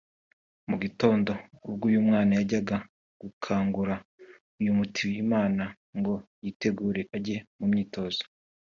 Mu gitondo ubwo uyu mwana yajyaga gukangura uyu Mutuyimana ngo yitegure ajye mu myitozo